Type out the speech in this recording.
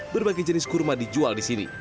berbagai jenis kurma dijual di sini